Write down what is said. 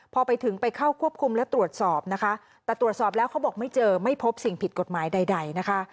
พอไปถึงไปเข้าควบคุมและตรวจสอบนะคะแต่ตรวจสอบแล้วเขาบอกไม่เจอไม่พบสิ่งผิดกฎหมายใดนะคะ